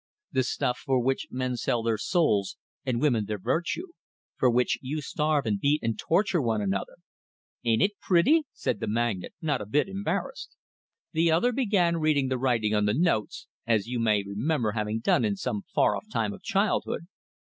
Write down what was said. "The stuff for which men sell their souls, and women their virtue! For which you starve and beat and torture one another " "Ain't it pretty?" said the magnate, not a bit embarrassed. The other began reading the writing on the notes as you may remember having done in some far off time of childhood.